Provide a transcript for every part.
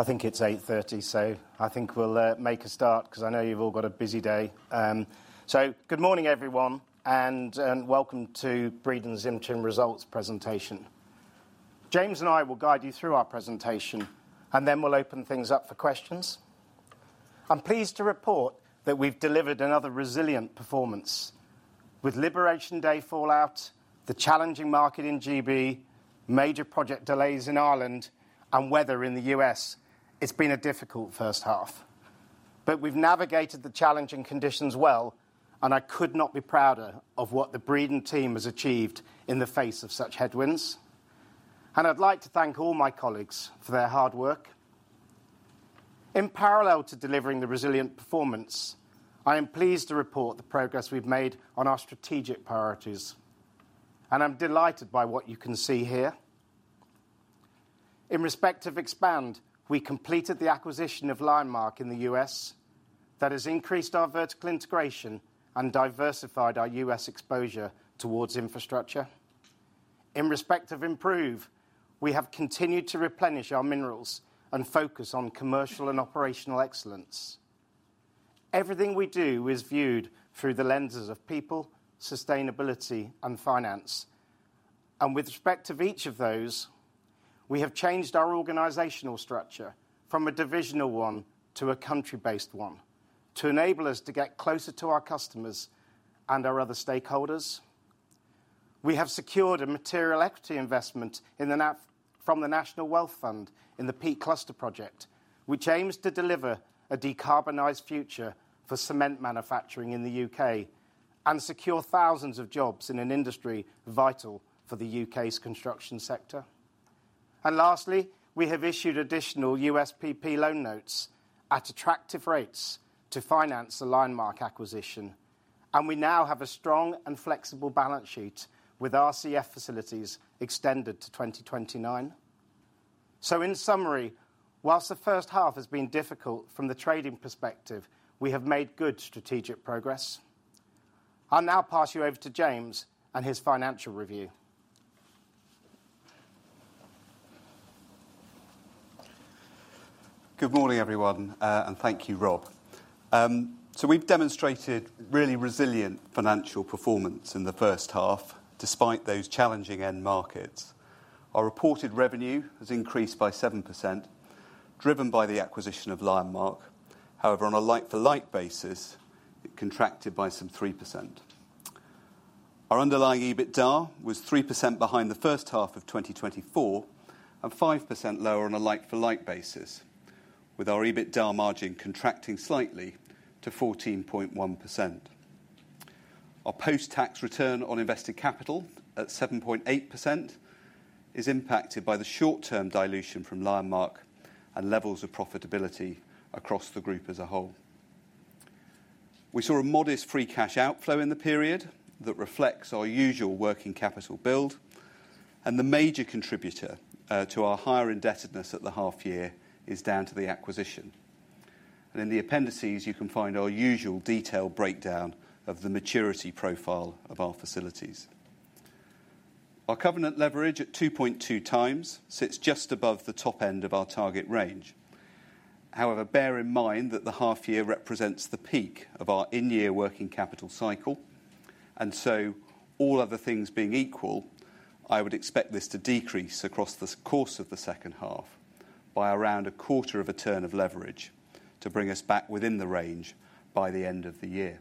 I think it's 8:30, so I think we'll make a start because I know you've all got a busy day. Good morning, everyone, and welcome to Breedon's Interim Results presentation. James and I will guide you through our presentation, and then we'll open things up for questions. I'm pleased to report that we've delivered another resilient performance. With Liberation Day fallout, the challenging market in GB, major project delays in Ireland, and weather in the U.S., it's been a difficult first half. We've navigated the challenging conditions well, and I could not be prouder of what the Breedon team has achieved in the face of such headwinds. I'd like to thank all my colleagues for their hard work. In parallel to delivering the resilient performance, I am pleased to report the progress we've made on our strategic priorities. I'm delighted by what you can see here. In respect of Expand, we completed the acquisition of Lionmark in the U.S. That has increased our vertical integration and diversified our U.S. exposure towards infrastructure. In respect of Improve, we have continued to replenish our minerals and focus on commercial and operational excellence. Everything we do is viewed through the lenses of people, sustainability, and finance. With respect of each of those, we have changed our organizational structure from a divisional one to a country-based one to enable us to get closer to our customers and our other stakeholders. We have secured a material equity investment from the National Wealth Fund in the Peak Cluster Project, which aims to deliver a decarbonized future for cement manufacturing in the U.K. and secure thousands of jobs in an industry vital for the U.K.'s construction sector. Lastly, we have issued additional USPP loan notes at attractive rates to finance the Lionmark acquisition. We now have a strong and flexible balance sheet with RCF facilities extended to 2029. In summary, whilst the first half has been difficult from the trading perspective, we have made good strategic progress. I'll now pass you over to James and his financial review. Good morning, everyone, and thank you, Rob. We've demonstrated really resilient financial performance in the first half, despite those challenging end markets. Our reported revenue has increased by 7%, driven by the acquisition of Lionmark. However, on a like-for-like basis, it contracted by some 3%. Our underlying EBITDA was 3% behind the first half of 2024 and 5% lower on a like-for-like basis, with our EBITDA margin contracting slightly to 14.1%. Our post-tax return on invested capital at 7.8% is impacted by the short-term dilution from Lionmark and levels of profitability across the group as a whole. We saw a modest free cash outflow in the period that reflects our usual working capital build. The major contributor to our higher indebtedness at the half-year is down to the acquisition. In the appendices, you can find our usual detailed breakdown of the maturity profile of our facilities. Our covenant leverage at 2.2 times sits just above the top end of our target range. Bear in mind that the half-year represents the peak of our in-year working capital cycle. All other things being equal, I would expect this to decrease across the course of the second half by around a quarter of a turn of leverage to bring us back within the range by the end of the year.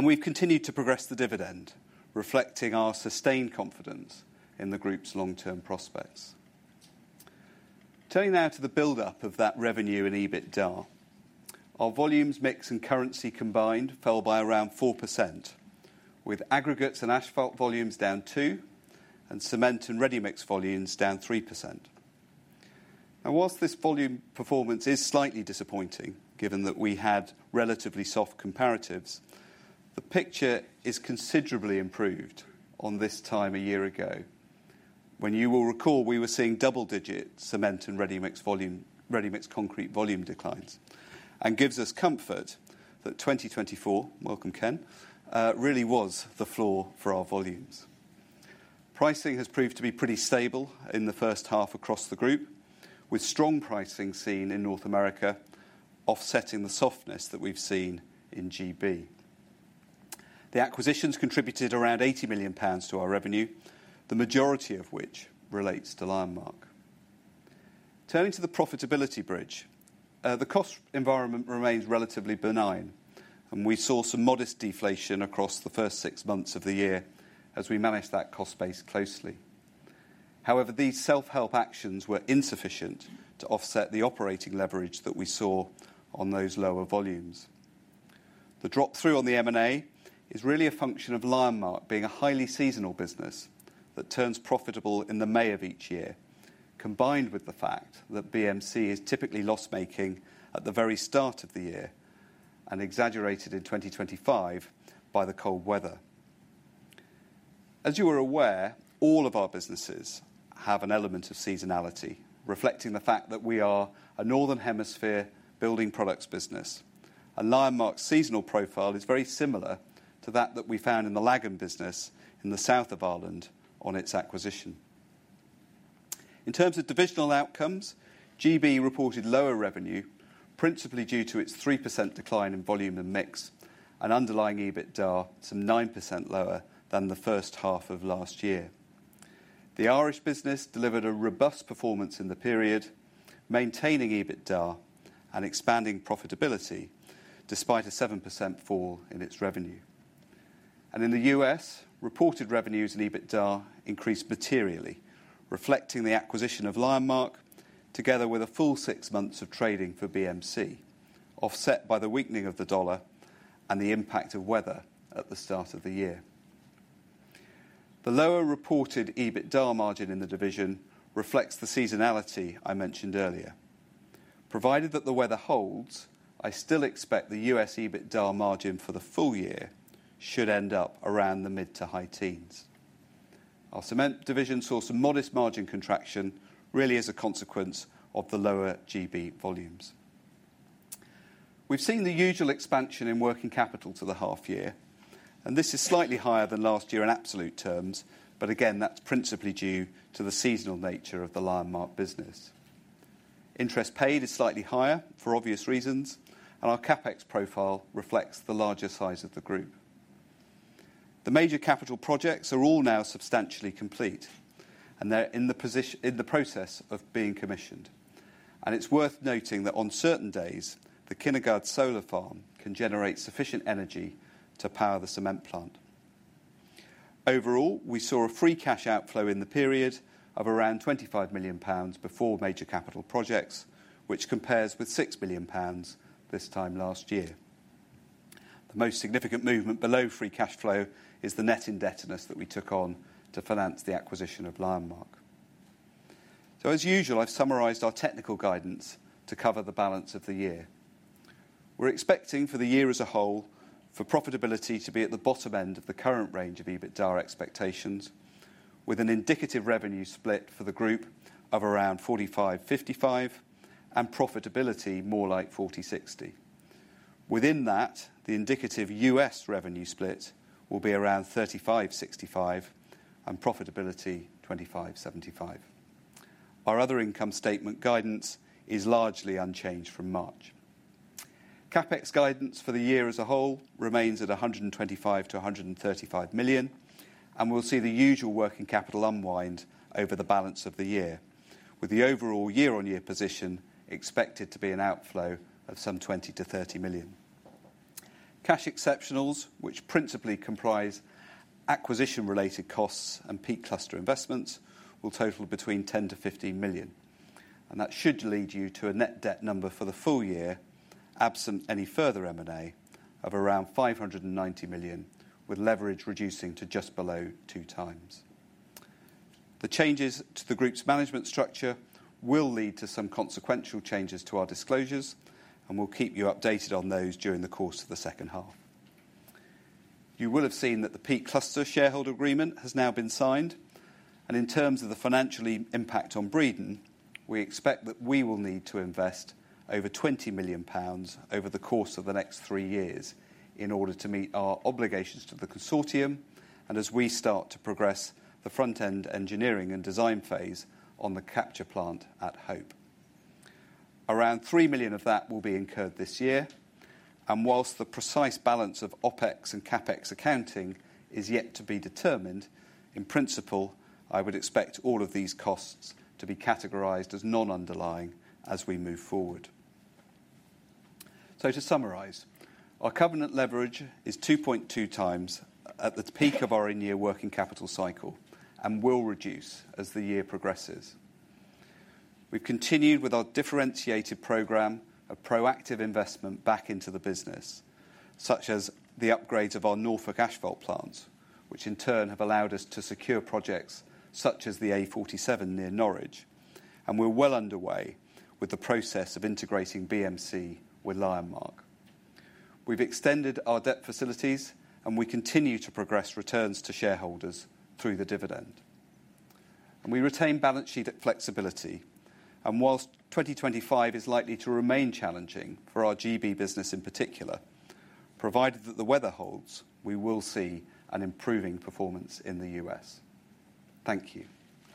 We've continued to progress the dividend, reflecting our sustained confidence in the group's long-term prospects. Turning now to the buildup of that revenue and EBITDA, our volumes mix and currency combined fell by around 4%, with aggregates and asphalt volumes down 2% and cement and ready-mixed volumes down 3%. Whilst this volume performance is slightly disappointing, given that we had relatively soft comparatives, the picture is considerably improved on this time a year ago. You will recall, we were seeing double-digit cement and ready-mixed concrete volume declines. This gives us comfort that 2024 really was the floor for our volumes. Pricing has proved to be pretty stable in the first half across the group, with strong pricing seen in North America offsetting the softness that we've seen in GB. The acquisitions contributed around 80 million pounds to our revenue, the majority of which relates to Lionmark. Turning to the profitability bridge, the cost environment remains relatively benign. We saw some modest deflation across the first six months of the year as we managed that cost base closely. However, these self-help actions were insufficient to offset the operating leverage that we saw on those lower volumes. The drop-through on the M&A is really a function of Lionmark being a highly seasonal business that turns profitable in May of each year, combined with the fact that BMC is typically loss-making at the very start of the year and exaggerated in 2025 by the cold weather. As you are aware, all of our businesses have an element of seasonality, reflecting the fact that we are a northern hemisphere building products business. Lionmark's seasonal profile is very similar to that which we found in the Lagan business in the south of Ireland on its acquisition. In terms of divisional outcomes, GB reported lower revenue, principally due to its 3% decline in volume and mix, and underlying EBITDA to 9% lower than the first half of last year. The Irish business delivered a robust performance in the period, maintaining EBITDA and expanding profitability despite a 7% fall in its revenue. In the U.S., reported revenues and EBITDA increased materially, reflecting the acquisition of Lionmark together with a full six months of trading for BMC, offset by the weakening of the dollar and the impact of weather at the start of the year. The lower reported EBITDA margin in the division reflects the seasonality I mentioned earlier. Provided that the weather holds, I still expect the U.S. EBITDA margin for the full year should end up around the mid to high teens. Our cement division saw some modest margin contraction really as a consequence of the lower GB volumes. We've seen the usual expansion in working capital to the half-year. This is slightly higher than last year in absolute terms, but again, that's principally due to the seasonal nature of the Lionmark business. Interest paid is slightly higher for obvious reasons, and our CapEx profile reflects the larger size of the group. The major capital projects are all now substantially complete, and they're in the process of being commissioned. It's worth noting that on certain days, the Kinnegard Solar Farm can generate sufficient energy to power the cement plant. Overall, we saw a free cash outflow in the period of around 25 million pounds before major capital projects, which compares with 6 million pounds this time last year. The most significant movement below free cash flow is the net indebtedness that we took on to finance the acquisition of Lionmark. As usual, I've summarized our technical guidance to cover the balance of the year. We're expecting for the year as a whole for profitability to be at the bottom end of the current range of EBITDA expectations, with an indicative revenue split for the group of around 45:55 and profitability more like 40:60. Within that, the indicative U.S. revenue split will be around 35:65 and profitability 25:75. Our other income statement guidance is largely unchanged from March. CapEx guidance for the year as a whole remains at 125 million to 135 million, and we'll see the usual working capital unwind over the balance of the year, with the overall year-on-year position expected to be an outflow of some 20 million to 30 million. Cash exceptionals, which principally comprise acquisition-related costs and Peak Cluster investments, will total between 10 million to 15 million. That should lead you to a net debt number for the full year, absent any further M&A, of around 590 million, with leverage reducing to just below 2x. The changes to the group's management structure will lead to some consequential changes to our disclosures, and we'll keep you updated on those during the course of the second half. You will have seen that the Peak Cluster shareholder agreement has now been signed. In terms of the financial impact on Breedon Group, we expect that we will need to invest over 20 million pounds over the course of the next three years in order to meet our obligations to the consortium and as we start to progress the front-end engineering and design phase on the capture plant at Hope. Around 3 million of that will be incurred this year. Whilst the precise balance of OpEx and CapEx accounting is yet to be determined, in principle, I would expect all of these costs to be categorized as non-underlying as we move forward. To summarize, our covenant leverage is 2.2x at the peak of our in-year working capital cycle and will reduce as the year progresses. We've continued with our differentiated program of proactive investment back into the business, such as the upgrades of our Norfolk asphalt plants, which in turn have allowed us to secure projects such as the A47 near Norwich. We're well underway with the process of integrating BMC with Lionmark. We've extended our debt facilities, and we continue to progress returns to shareholders through the dividend. We retain balance sheet flexibility. Whilst 2025 is likely to remain challenging for our GB business in particular, provided that the weather holds, we will see an improving performance in the U.S.. Thank you.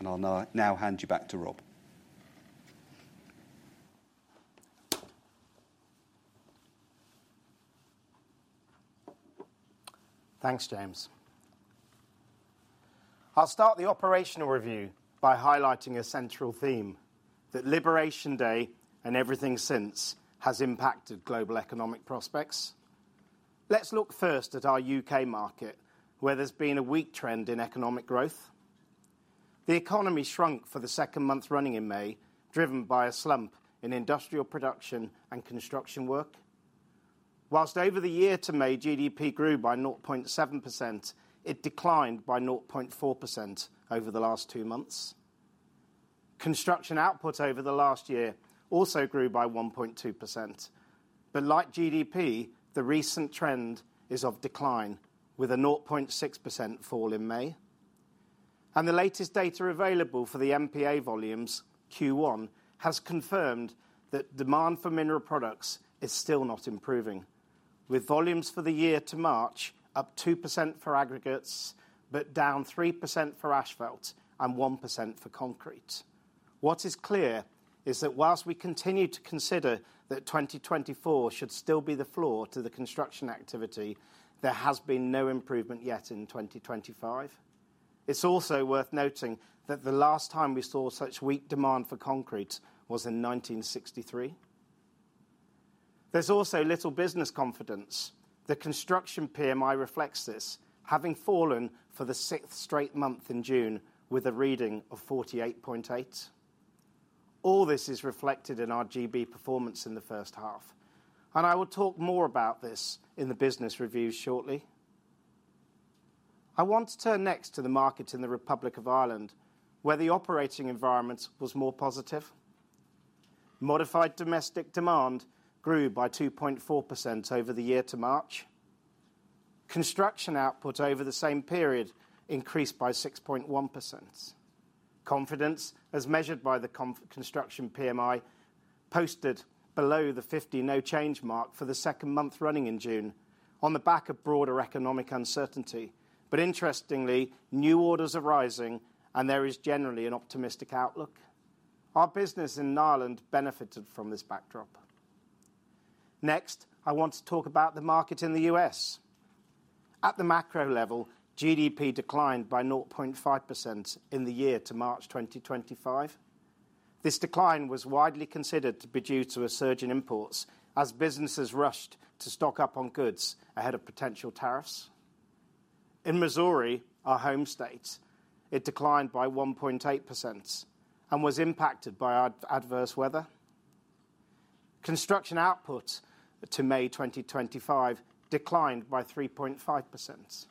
I'll now hand you back to Rob. Thanks, James. I'll start the operational review by highlighting a central theme: that Liberation Day and everything since has impacted global economic prospects. Let's look first at our U.K. market, where there's been a weak trend in economic growth. The economy shrunk for the second month running in May, driven by a slump in industrial production and construction work. Over the year to May, GDP grew by 0.7%, but it declined by 0.4% over the last two months. Construction output over the last year also grew by 1.2%. Like GDP, the recent trend is of decline, with a 0.6% fall in May. The latest data available for the MPA volumes Q1 has confirmed that demand for mineral products is still not improving, with volumes for the year to March up 2% for aggregates, but down 3% for asphalt and 1% for concrete. What is clear is that whilst we continue to consider that 2024 should still be the floor to the construction activity, there has been no improvement yet in 2025. It is also worth noting that the last time we saw such weak demand for concrete was in 1963. There is also little business confidence. The construction PMI reflects this, having fallen for the sixth straight month in June with a reading of 48.8. All this is reflected in our GB performance in the first half. I will talk more about this in the business review shortly. I want to turn next to the market in the Republic of Ireland, where the operating environment was more positive. Modified domestic demand grew by 2.4% over the year to March. Construction output over the same period increased by 6.1%. Confidence, as measured by the construction PMI, posted below the 50 no change mark for the second month running in June on the back of broader economic uncertainty. Interestingly, new orders are rising, and there is generally an optimistic outlook. Our business in Ireland benefited from this backdrop. Next, I want to talk about the market in the U.S.. At the macro level, GDP declined by 0.5% in the year to March 2025. This decline was widely considered to be due to a surge in imports as businesses rushed to stock up on goods ahead of potential tariffs. In Missouri, our home state, it declined by 1.8% and was impacted by adverse weather. Construction output to May 2025 declined by 3.5%.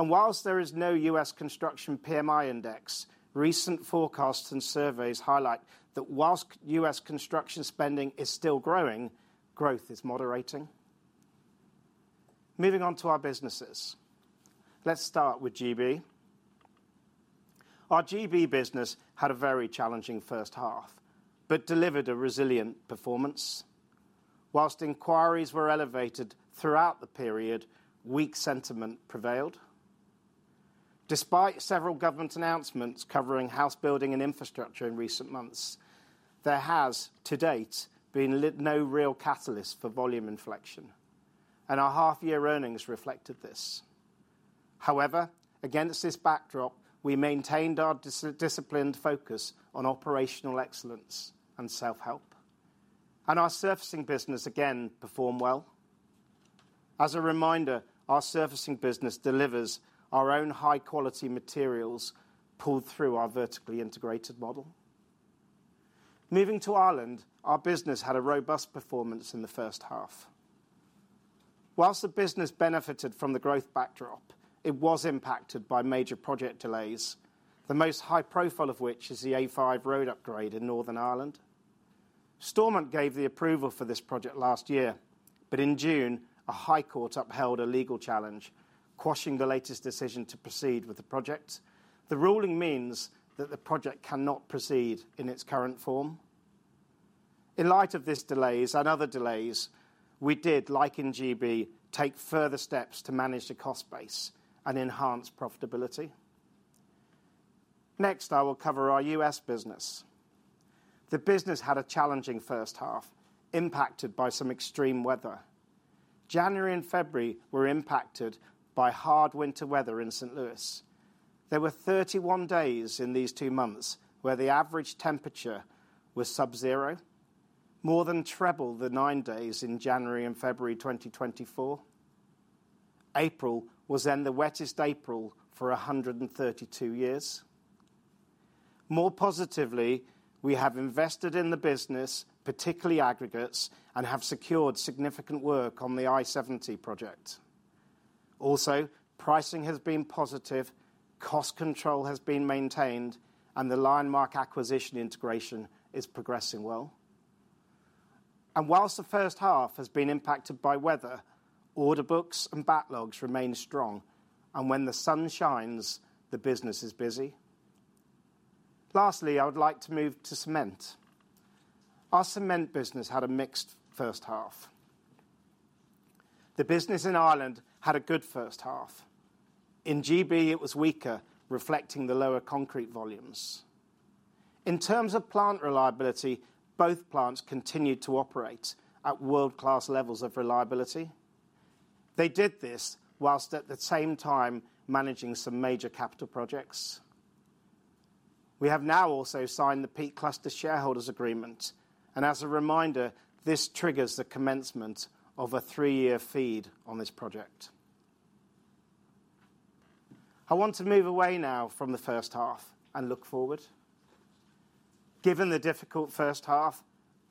Whilst there is no U.S. Construction PMI index, recent forecasts and surveys highlight that whilst U.S. construction spending is still growing, growth is moderating. Moving on to our businesses, let's start with GB. Our GB business had a very challenging first half but delivered a resilient performance. Whilst inquiries were elevated throughout the period, weak sentiment prevailed. Despite several government announcements covering house building and infrastructure in recent months, there has, to date, been no real catalyst for volume inflection. Our half-year earnings reflected this. However, against this backdrop, we maintained our disciplined focus on operational excellence and self-help. Our servicing business again performed well. As a reminder, our servicing business delivers our own high-quality materials pulled through our vertically integrated model. Moving to Ireland, our business had a robust performance in the first half. Whilst the business benefited from the growth backdrop, it was impacted by major project delays, the most high profile of which is the A5 road upgrade in Northern Ireland. Stormont gave the approval for this project last year, but in June, a High Court upheld a legal challenge, quashing the latest decision to proceed with the project. The ruling means that the project cannot proceed in its current form. In light of these delays and other delays, we did, like in GB, take further steps to manage the cost base and enhance profitability. Next, I will cover our U.S. business. The business had a challenging first half, impacted by some extreme weather. January and February were impacted by hard winter weather in St. Louis. There were 31 days in these two months where the average temperature was subzero, more than treble the nine days in January and February 2024. April was then the wettest April for 132 years. More positively, we have invested in the business, particularly aggregates, and have secured significant work on the I-70 project. Also, pricing has been positive, cost control has been maintained, and the Lionmark acquisition integration is progressing well. Whilst the first half has been impacted by weather, order books and backlogs remain strong, and when the sun shines, the business is busy. Lastly, I would like to move to cement. Our cement business had a mixed first half. The business in Ireland had a good first half. In GB, it was weaker, reflecting the lower concrete volumes. In terms of plant reliability, both plants continued to operate at world-class levels of reliability. They did this while at the same time managing some major capital projects. We have now also signed the Peak Cluster Shareholders Agreement. As a reminder, this triggers the commencement of a three-year feed on this project. I want to move away now from the first half and look forward. Given the difficult first half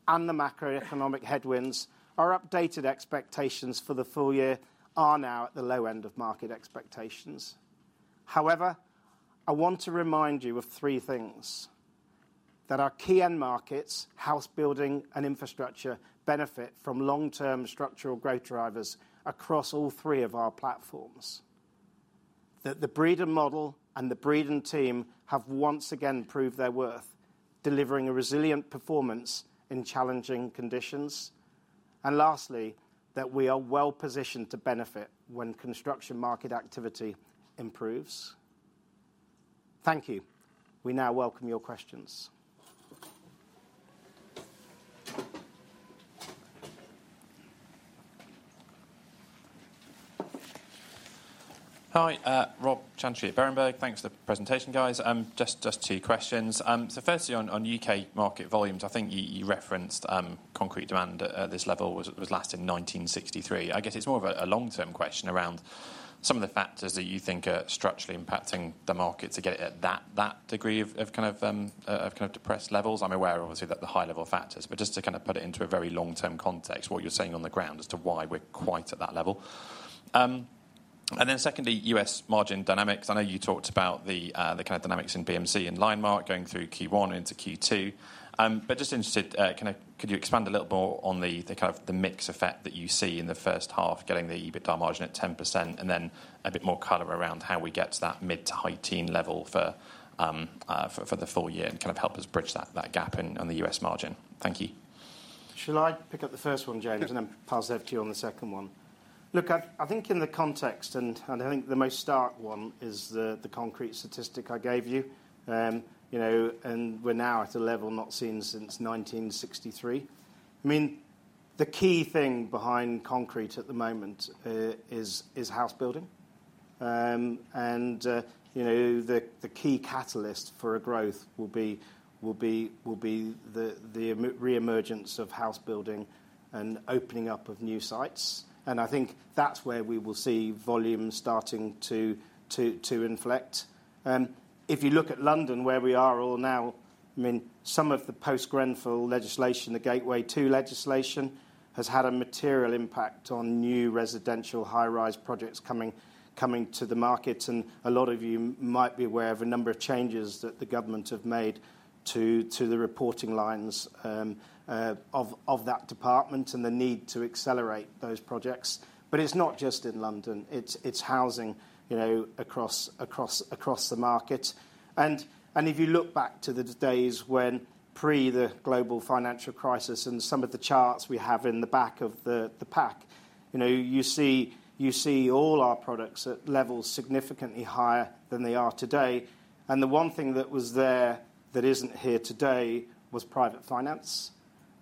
and the macroeconomic headwinds, our updated expectations for the full year are now at the low end of market expectations. However, I want to remind you of three things: that our key end markets, house building, and infrastructure benefit from long-term structural growth drivers across all three of our platforms; that the Breedon model and the Breedon team have once again proved their worth, delivering a resilient performance in challenging conditions; and lastly, that we are well positioned to benefit when construction market activity improves. Thank you. We now welcome your questions. Hi, Rob Chantry at Berenberg. Thanks for the presentation, guys. Just two questions. Firstly, on U.K. market volumes, I think you referenced concrete demand at this level was last in 1963. I guess it's more of a long-term question around some of the factors that you think are structurally impacting the market to get it at that degree of kind of depressed levels. I'm aware, obviously, of the high-level factors, but just to kind of put it into a very long-term context, what you're seeing on the ground as to why we're quite at that level. Secondly, U.S. margin dynamics. I know you talked about the kind of dynamics in BMC and Lionmark going through Q1 into Q2. Just interested, could you expand a little more on the kind of mix effect that you see in the first half, getting the EBITDA margin at 10% and then a bit more color around how we get to that mid to high-teen level for the full year and kind of help us bridge that gap in the U.S. margin? Thank you. Should I pick up the first one, James, and then pass over to you on the second one? I think in the context, and I think the most stark one is the concrete statistic I gave you. We're now at a level not seen since 1963. The key thing behind concrete at the moment is house building. You know the key catalyst for growth will be the re-emergence of house building and opening up of new sites. I think that's where we will see volume starting to inflect. If you look at London, where we are all now, some of the post-Grenfell legislation, the Gateway 2 legislation, has had a material impact on new residential high-rise projects coming to the market. A lot of you might be aware of a number of changes that the government have made to the reporting lines of that department and the need to accelerate those projects. It's not just in London. It's housing across the market. If you look back to the days pre-global financial crisis and some of the charts we have in the back of the pack, you see all our products at levels significantly higher than they are today. The one thing that was there that isn't here today was private finance.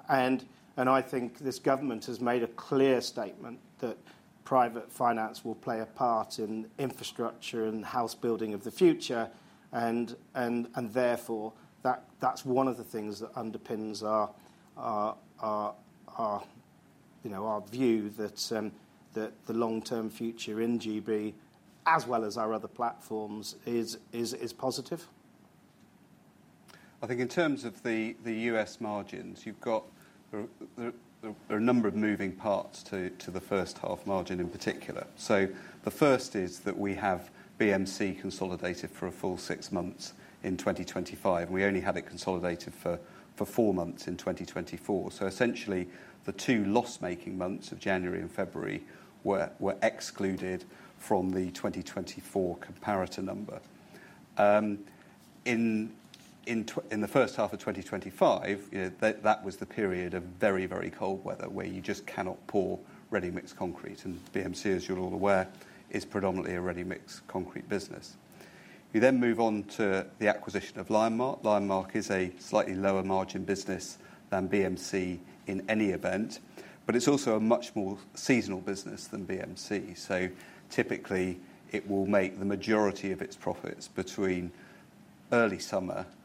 I think this government has made a clear statement that private finance will play a part in infrastructure and house building of the future. Therefore, that's one of the things that underpins our view that the long-term future in GB, as well as our other platforms, is positive. I think in terms of the U.S. margins, you've got a number of moving parts to the first half margin in particular. The first is that we have BMC consolidated for a full six months in 2025, and we only had it consolidated for four months in 2024. Essentially, the two loss-making months of January and February were excluded from the 2024 comparator number. In the first half of 2025, that was the period of very, very cold weather where you just cannot pour ready-mixed concrete. BMC, as you're all aware, is predominantly a ready-mixed concrete business. You then move on to the acquisition of Lionmark. Lionmark is a slightly lower margin business than BMC in any event, but it's also a much more seasonal business than BMC. Typically, it will make the majority of its profits between early summer and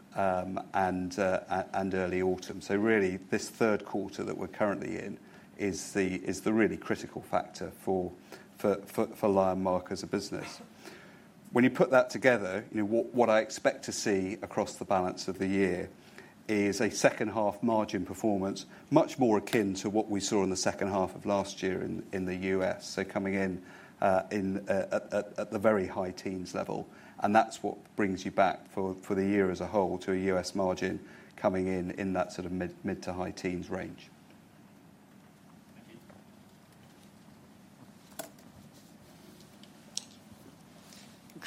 early autumn. Really, this third quarter that we're currently in is the really critical factor for Lionmark as a business. When you put that together, what I expect to see across the balance of the year is a second-half margin performance much more akin to what we saw in the second half of last year in the U.S., coming in at the very high teens level. That's what brings you back for the year as a whole to a U.S.. margin coming in in that sort of mid to high teens range.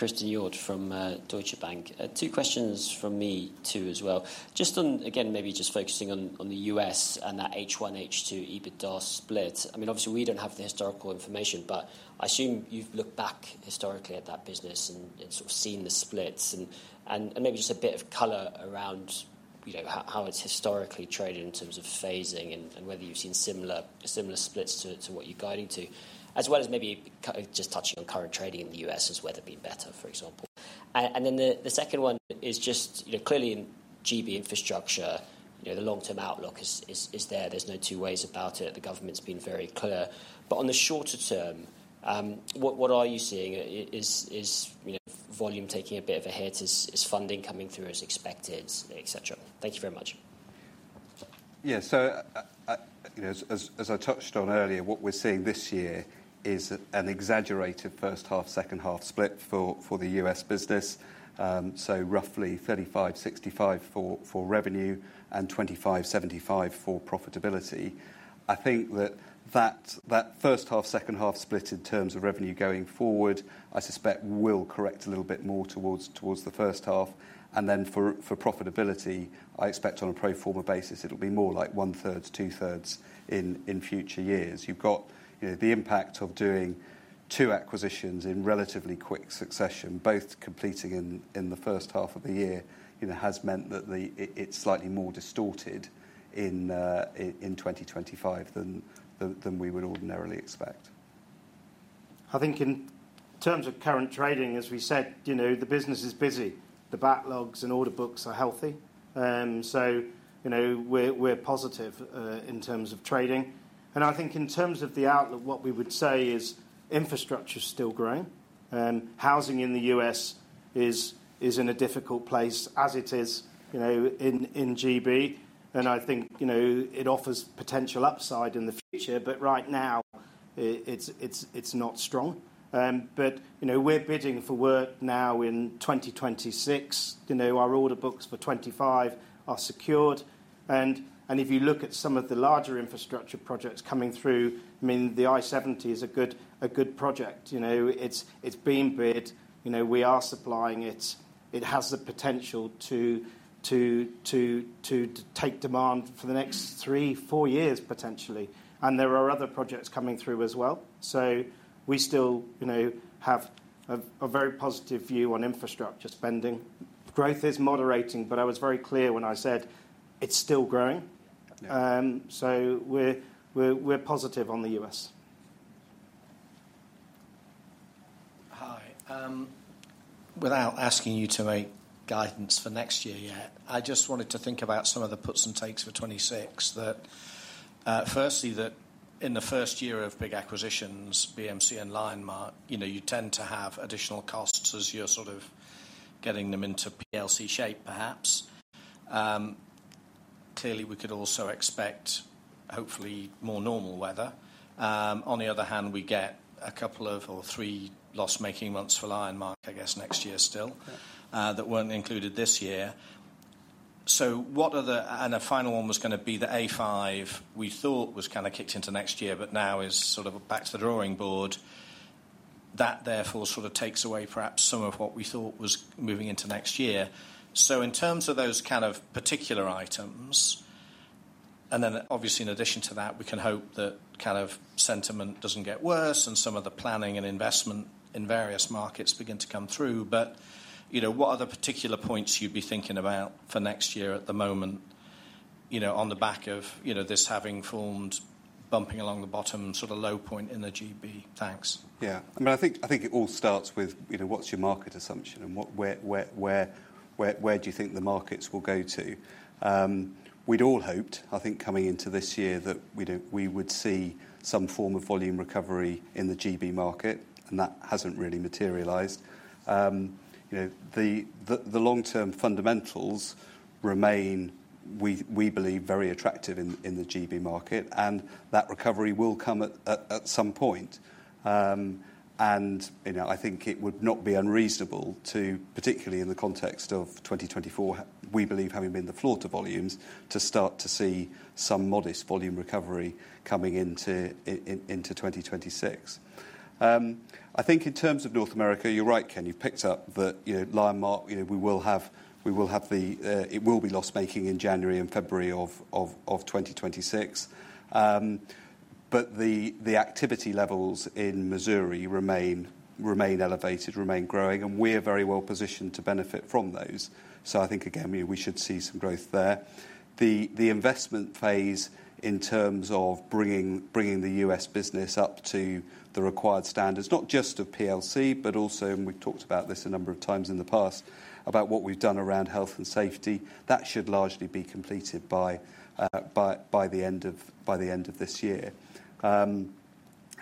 Two questions from me too as well. Just on, again, maybe just focusing on the U.S. and that H1/H2 EBITDA split. Obviously, we don't have the historical information, but I assume you've looked back historically at that business and sort of seen the splits and maybe just a bit of color around how it's historically traded in terms of phasing and whether you've seen similar splits to what you're guiding to, as well as maybe just touching on current trading in the U.S. as whether it'd be better, for example. The second one is just, clearly in GB infrastructure, the long-term outlook is there. There's no two ways about it. The government's been very clear. On the shorter term, what are you seeing? Is volume taking a bit of a hit? Is funding coming through as expected, etc.? Thank you very much. Yeah, as I touched on earlier, what we're seeing this year is an exaggerated first half, second half split for the U.S. business. So roughly 35:65 for revenue and 25:75 for profitability. I think that first half, second half split in terms of revenue going forward, I suspect will correct a little bit more towards the first half. For profitability, I expect on a pro forma basis, it'll be more like one-third, two-thirds in future years. You've got the impact of doing two acquisitions in relatively quick succession, both completing in the first half of the year, which has meant that it's slightly more distorted in 2025 than we would ordinarily expect. I think in terms of current trading, as we said, the business is busy. The backlogs and order books are healthy, so we're positive in terms of trading. I think in terms of the outlook, what we would say is infrastructure is still growing. Housing in the U.S. is in a difficult place as it is in GB. It offers potential upside in the future, but right now, it's not strong. We're bidding for work now in 2026. Our order books for 2025 are secured. If you look at some of the larger infrastructure projects coming through, the I-70 is a good project. It's being bid. We are supplying it. It has the potential to take demand for the next three, four years, potentially. There are other projects coming through as well. We still have a very positive view on infrastructure spending. Growth is moderating, but I was very clear when I said it's still growing. We're positive on the U.S.. Hi. Without asking you to make guidance for next year yet, I just wanted to think about some of the puts and takes for 2026. Firstly, that in the first year of big acquisitions, BMC and Lionmark, you tend to have additional costs as you're sort of getting them into PLC shape, perhaps. Clearly, we could also expect hopefully more normal weather. On the other hand, we get a couple of or three loss-making months for Lionmark, I guess, next year still that weren't included this year. What are the, and the final one was going to be the A5 we thought was kind of kicked into next year, but now is sort of back to the drawing board. That therefore sort of takes away perhaps some of what we thought was moving into next year. In terms of those kind of particular items, and then obviously in addition to that, we can hope that kind of sentiment doesn't get worse and some of the planning and investment in various markets begin to come through. What are the particular points you'd be thinking about for next year at the moment, on the back of this having formed, bumping along the bottom, sort of low point in the GB? Thanks. I think it all starts with what's your market assumption and where do you think the markets will go to? We'd all hoped, coming into this year, that we would see some form of volume recovery in the GB market, and that hasn't really materialized. The long-term fundamentals remain, we believe, very attractive in the GB market, and that recovery will come at some point. I think it would not be unreasonable to, particularly in the context of 2024, we believe having been the floor to volumes, to start to see some modest volume recovery coming into 2026. In terms of North America, you're right, Ken, you picked up that Lionmark, we will have, it will be loss-making in January and February of 2026, but the activity levels in Missouri remain elevated, remain growing, and we are very well positioned to benefit from those. I think we should see some growth there. The investment phase in terms of bringing the U.S. business up to the required standards, not just of PLC, but also, and we've talked about this a number of times in the past, about what we've done around health and safety, that should largely be completed by the end of this year. One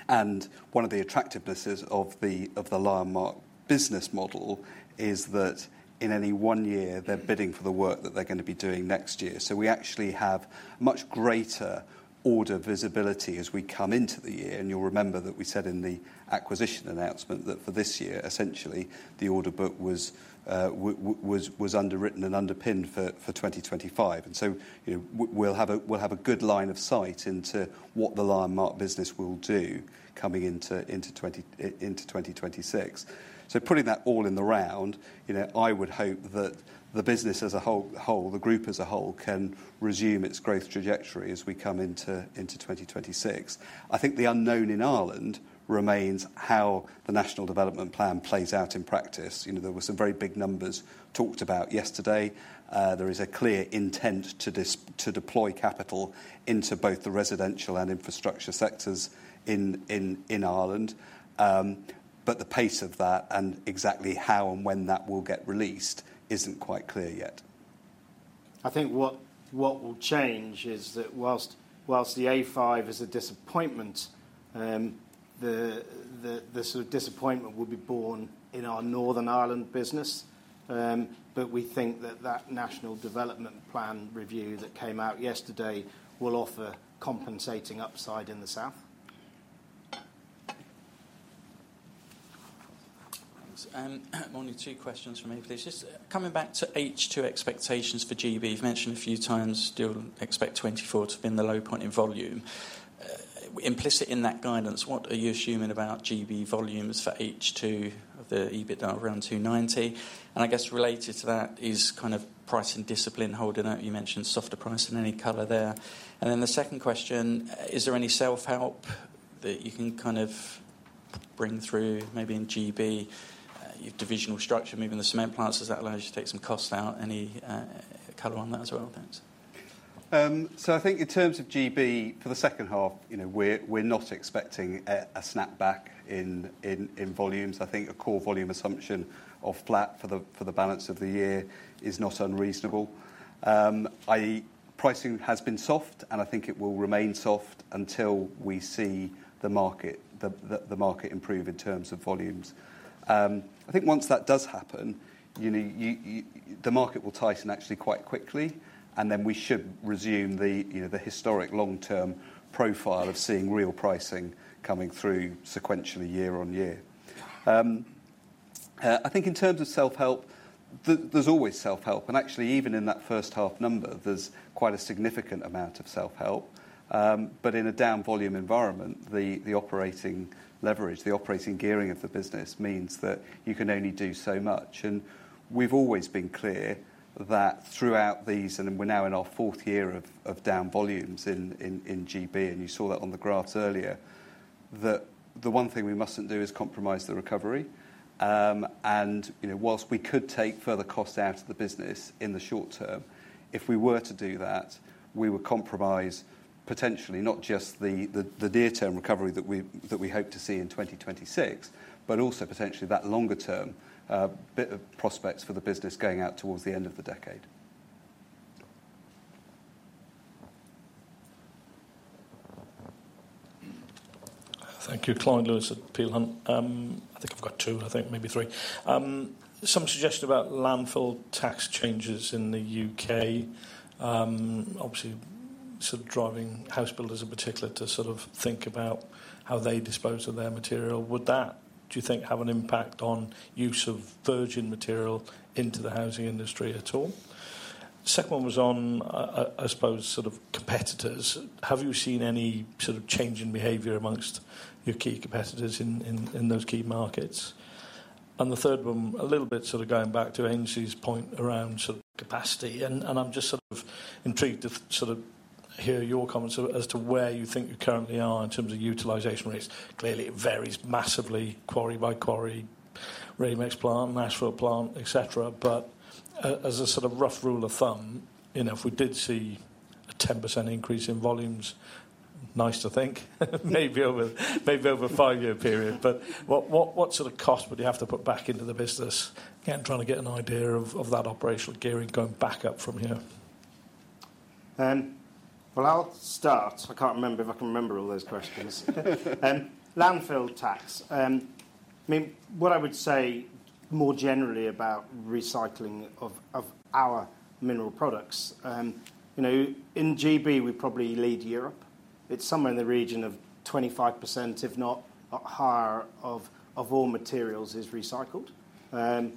of the attractivenesses of the Lionmark business model is that in any one year, they're bidding for the work that they're going to be doing next year. We actually have a much greater order visibility as we come into the year. You'll remember that we said in the acquisition announcement that for this year, essentially, the order book was underwritten and underpinned for 2025. We'll have a good line of sight into what the Lionmark business will do coming into 2026. Putting that all in the round, I would hope that the group as a whole can resume its growth trajectory as we come into 2026. The unknown in Ireland remains how the National Development Plan plays out in practice. There were some very big numbers talked about yesterday. There is a clear intent to deploy capital into both the residential and infrastructure sectors in Ireland, but the pace of that and exactly how and when that will get released isn't quite clear yet. What will change is that whilst the A5 is a disappointment, the sort of disappointment will be borne in our Northern Ireland business, but we think that National Development Plan review that came out yesterday will offer compensating upside in the south. Thanks. One or two questions from me, please. Just coming back to H2 expectations for GB, you've mentioned a few times you'll expect 2024 to have been the low point in volume. Implicit in that guidance, what are you assuming about GB volumes for H2 of the EBITDA around 290 million? I guess related to that is kind of price and discipline holding out. You mentioned softer price, any color there? The second question, is there any self-help that you can kind of bring through maybe in GB? Your divisional structure, moving the cement plants, is that allowing you to take some costs out? Any color on that as well? Thanks. I think in terms of GB for the second half, we're not expecting a snapback in volumes. I think a core volume assumption of flat for the balance of the year is not unreasonable. Pricing has been soft, and I think it will remain soft until we see the market improve in terms of volumes. I think once that does happen, the market will tighten actually quite quickly. We should resume the historic long-term profile of seeing real pricing coming through sequentially year on year. In terms of self-help, there's always self-help. Actually, even in that first half number, there's quite a significant amount of self-help. In a down volume environment, the operating leverage, the operating gearing of the business means that you can only do so much. We've always been clear that throughout these, and we're now in our fourth year of down volumes in GB, and you saw that on the graphs earlier, the one thing we mustn't do is compromise the recovery. Whilst we could take further costs out of the business in the short term, if we were to do that, we would compromise potentially not just the near-term recovery that we hope to see in 2026, but also potentially that longer-term bit of prospects for the business going out towards the end of the decade. Thank you. Clyde Lewis at Peel Hunt. I think I've got two, I think, maybe three. Some suggestion about landfill tax changes in the U.K., obviously, sort of driving house builders in particular to sort of think about how they dispose of their material. Would that, do you think, have an impact on use of virgin material into the housing industry at all? The second one was on, I suppose, sort of competitors. Have you seen any sort of change in behavior amongst your key competitors in those key markets? The third one, a little bit sort of going back to Angie's point around sort of capacity. I'm just sort of intrigued to sort of hear your comments as to where you think you currently are in terms of utilization rates. Clearly, it varies massively quarry by quarry, ready-mix plant, natural plant, et cetera. As a sort of rough rule of thumb, you know, if we did see a 10% increase in volumes, nice to think, maybe over a five-year period. What sort of cost would you have to put back into the business? Again, trying to get an idea of that operational gearing going back up from here. I'll start. I can't remember if I can remember all those questions. Landfill tax. What I would say more generally about recycling of our mineral products, in GB, we probably lead Europe. It's somewhere in the region of 25%, if not higher, of all materials is recycled. The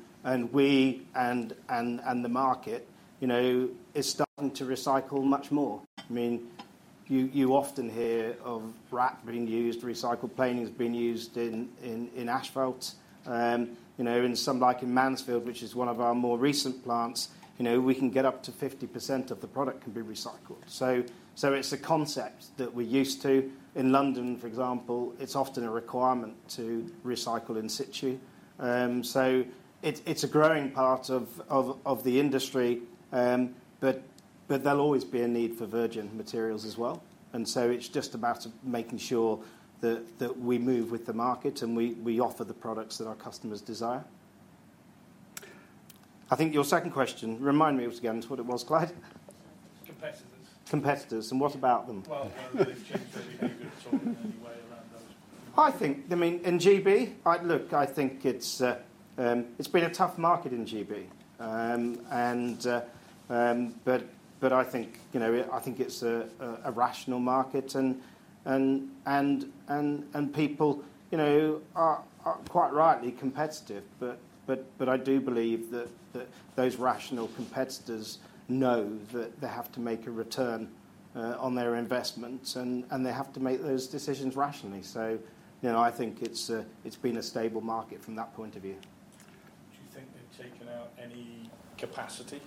market is starting to recycle much more. You often hear of RAP being used, recycled planing is being used in asphalt. In some, like in Mansfield, which is one of our more recent plants, we can get up to 50% of the product can be recycled. It's a concept that we're used to. In London, for example, it's often a requirement to recycle in situ. It's a growing part of the industry, but there'll always be a need for virgin materials as well. It's just about making sure that we move with the market and we offer the products that our customers desire. I think your second question, remind me once again what it was, Clyde. Competitors. Competitors. What about them? They've changed their structure anyway. I think, in GB, I think it's been a tough market in GB, but I think it's a rational market. People are quite rightly competitive, but I do believe that those rational competitors know that they have to make a return on their investments, and they have to make those decisions rationally. I think it's been a stable market from that point of view. Do you think they've taken out any capacity?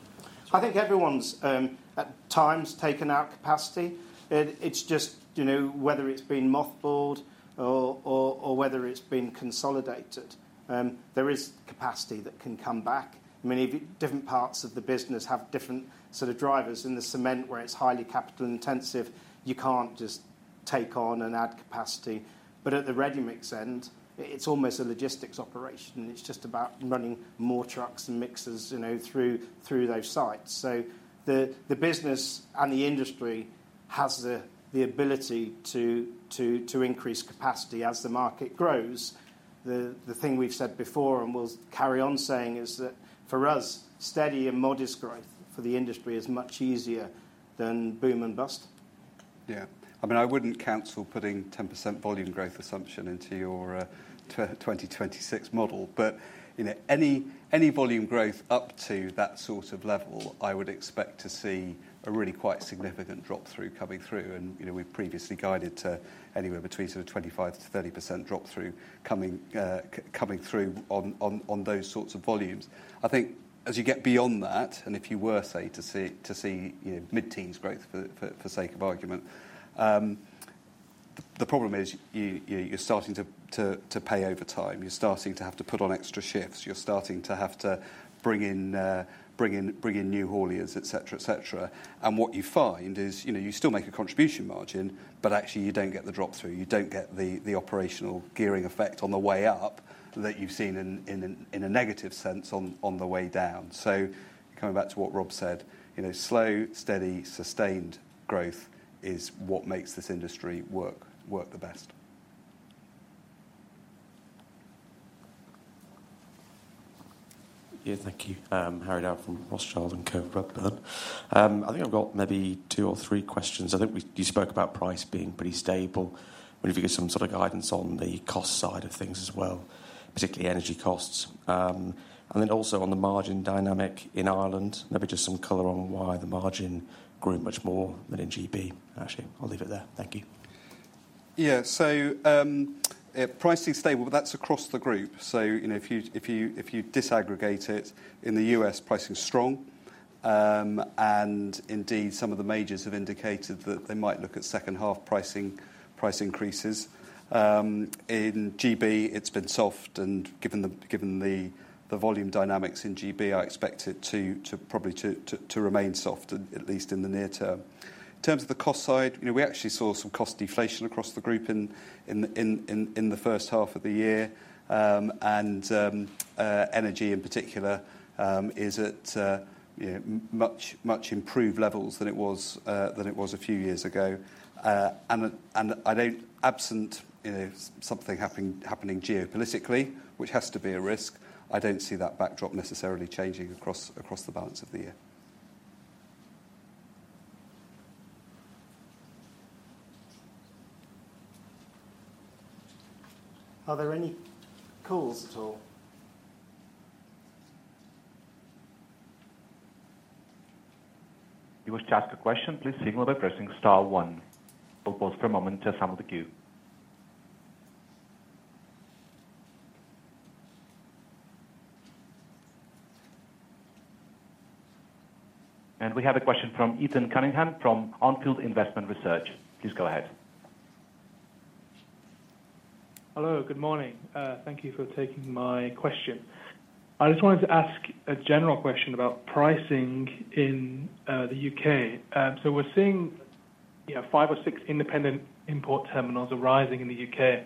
I think everyone's at times taken out capacity. It's just, you know, whether it's been mothballed or whether it's been consolidated, there is capacity that can come back. I mean, different parts of the business have different sort of drivers. In cement, where it's highly capital intensive, you can't just take on and add capacity. At the ready-mixed concrete end, it's almost a logistics operation. It's just about running more trucks and mixers through those sites. The business and the industry have the ability to increase capacity as the market grows. The thing we've said before and we'll carry on saying is that for us, steady and modest growth for the industry is much easier than boom and bust. Yeah, I mean, I wouldn't cancel putting 10% volume growth assumption into your to 2026 model. You know, any volume growth up to that sort of level, I would expect to see a really quite significant drop-through coming through. You know, we've previously guided to anywhere between sort of 25% to 30% drop-through coming through on those sorts of volumes. I think as you get beyond that, if you were, say, to see mid-teens growth for sake of argument, the problem is you're starting to pay over time. You're starting to have to put on extra shifts. You're starting to have to bring in new hauliers, et cetera. What you find is, you know, you still make a contribution margin, but actually you don't get the drop-through. You don't get the operational gearing effect on the way up that you've seen in a negative sense on the way down. Coming back to what Rob said, slow, steady, sustained growth is what makes this industry work the best. Thank you. Harry Dowell from HSBC Global Research. I think I've got maybe two or three questions. I think you spoke about price being pretty stable. I wonder if you get some sort of guidance on the cost side of things as well, particularly energy costs, and then also on the margin dynamic in Ireland, maybe just some color on why the margin grew much more than in GB. Actually, I'll leave it there. Thank you. Yeah, so pricing is stable, but that's across the group. If you disaggregate it, in the U.S., pricing is strong, and indeed, some of the majors have indicated that they might look at second-half price increases. In GB, it's been soft, and given the volume dynamics in GB, I expect it to probably remain soft, at least in the near term. In terms of the cost side, we actually saw some cost deflation across the group in the first half of the year, and energy in particular is at much, much improved levels than it was a few years ago. I don't, absent something happening geopolitically, which has to be a risk, see that backdrop necessarily changing across the balance of the year. Are there any calls at all? If you wish to ask a question, please signal by pressing star one. We'll pause for a moment to assemble the queue. We have a question from Ethan Cunningham from Oppenheimer Investment Research. Please go ahead. Hello, good morning. Thank you for taking my question. I just wanted to ask a general question about pricing in the U.K.. We're seeing five or six independent import terminals arising in the U.K.,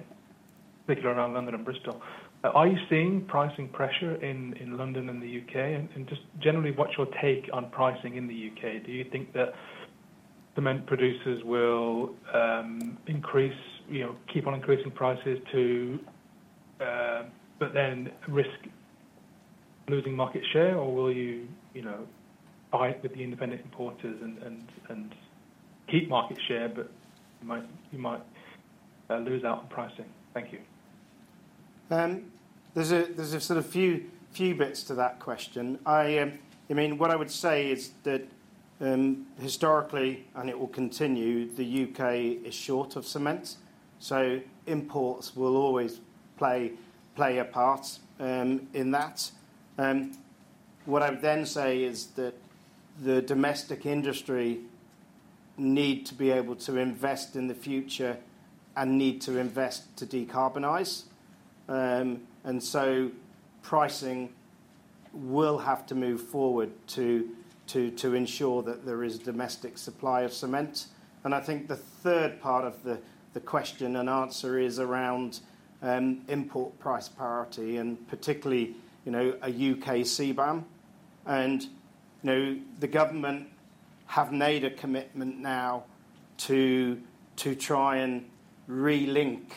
particularly around London and Bristol. Are you seeing pricing pressure in London and the U.K.? What's your take on pricing in the U.K.? Do you think that cement producers will keep on increasing prices, but then risk losing market share? Will you buy it with the independent importers and keep market share, but you might lose out on pricing? Thank you. are a sort of few bits to that question. What I would say is that historically, and it will continue, the U.K. is short of cement. Imports will always play a part in that. What I would then say is that the domestic industry needs to be able to invest in the future and needs to invest to decarbonize. Pricing will have to move forward to ensure that there is domestic supply of cement. I think the third part of the question and answer is around import price parity and particularly, you know, a U.K. CBAM. The government have made a commitment now to try and relink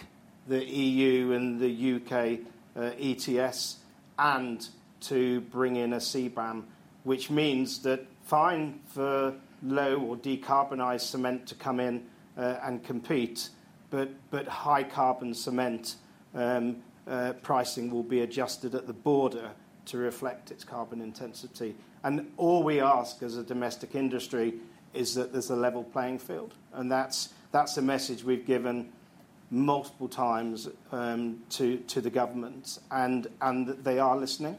the EU and the U.K. ETS and to bring in a CBAM, which means that it's fine for low or decarbonized cement to come in and compete, but high carbon cement pricing will be adjusted at the border to reflect its carbon intensity. All we ask as a domestic industry is that there's a level playing field. That's a message we've given multiple times to the government and that they are listening.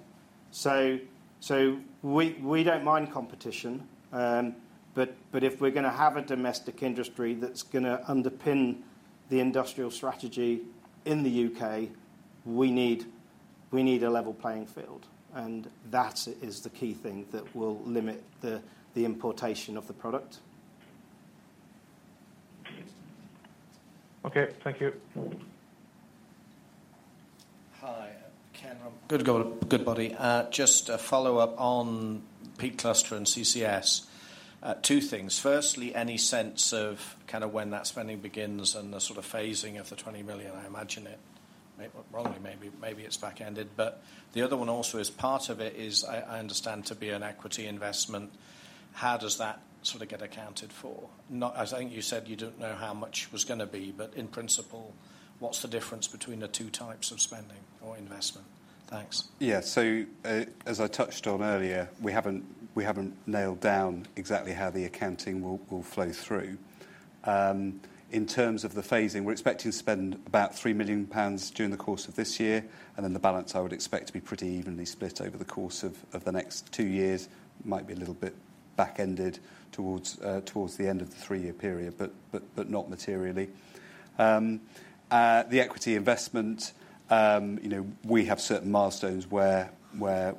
We don't mind competition. If we're going to have a domestic industry that's going to underpin the industrial strategy in the U.K., we need a level playing field. That is the key thing that will limit the importation of the product. Okay, thank you. Hi, Ken. Good, good buddy. Just a follow-up on Peak Cluster and CCS. Two things. Firstly, any sense of kind of when that spending begins and the sort of phasing of the 20 million? I imagine it, wrongly maybe, it's back-ended. The other one also is part of it is, I understand, to be an equity investment. How does that sort of get accounted for? I think you said you don't know how much it was going to be, but in principle, what's the difference between the two types of spending or investment? Thanks. As I touched on earlier, we haven't nailed down exactly how the accounting will flow through. In terms of the phasing, we're expecting to spend about 3 million pounds during the course of this year. The balance I would expect to be pretty evenly split over the course of the next two years. It might be a little bit back-ended towards the end of the three-year period, but not materially. The equity investment, you know, we have certain milestones where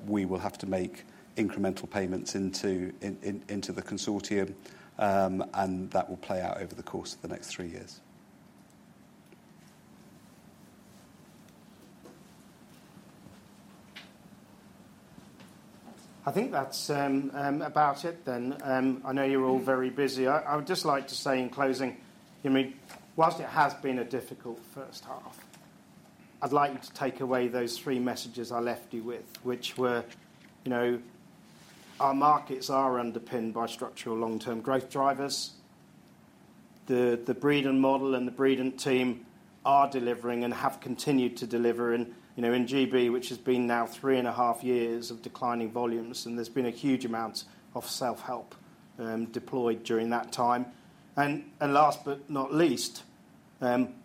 we will have to make incremental payments into the consortium, and that will play out over the course of the next three years. I think that's about it then. I know you're all very busy. I would just like to say in closing, whilst it has been a difficult first half, I'd like you to take away those three messages I left you with, which were, you know, our markets are underpinned by structural long-term growth drivers. The Breedon model and the Breedon team are delivering and have continued to deliver. In GB, which has been now three and a half years of declining volumes, there's been a huge amount of self-help deployed during that time. Last but not least,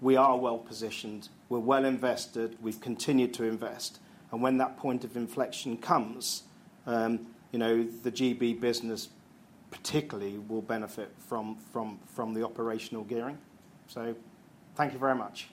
we are well positioned. We're well invested. We've continued to invest. When that point of inflection comes, you know, the GB business particularly will benefit from the operational gearing. Thank you very much.